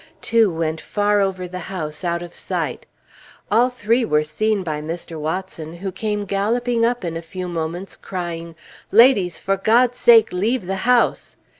Two went far over the house, out of sight. All three were seen by Mr. Watson, who came galloping up in a few moments, crying, "Ladies, for God's sake, leave the house!"